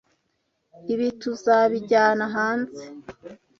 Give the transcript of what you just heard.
Ibi tuzabijyana hanze?